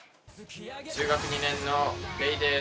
中学２年の礼です。